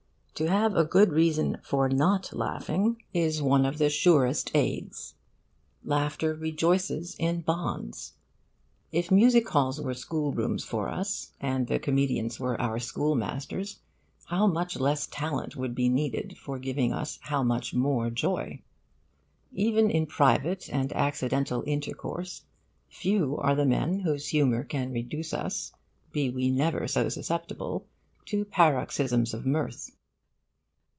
To have good reason for not laughing is one of the surest aids. Laughter rejoices in bonds. If music halls were schoolrooms for us, and the comedians were our schoolmasters, how much less talent would be needed for giving us how much more joy! Even in private and accidental intercourse, few are the men whose humour can reduce us, be we never so susceptible, to paroxysms of mirth.